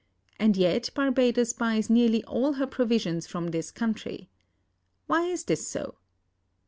And yet Barbadoes buys nearly all her provisions from this country. Why is this so?